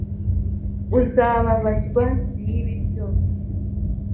Uzababazwa nibi byose